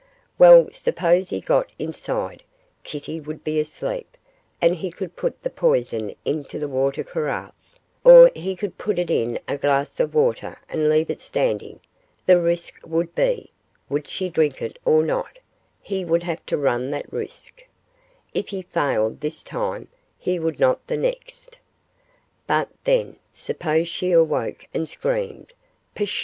Well, suppose he got inside, Kitty would be asleep, and he could put the poison into the water carafe, or he could put it in a glass of water and leave it standing; the risk would be, would she drink it or not he would have to run that risk; if he failed this time, he would not the next. But, then, suppose she awoke and screamed pshaw!